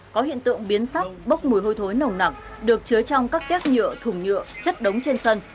có hiện tượng biến sắc bốc mùi hôi thối nồng nặc được chứa trong các két nhựa thùng nhựa chất đống trên sân